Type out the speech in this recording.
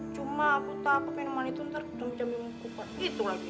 cuma aku tau apa minuman itu ntar kecambi cambi muka gitu lagi